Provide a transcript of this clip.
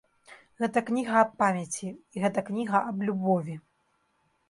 Гэта кніга аб памяці і гэта кніга аб любові.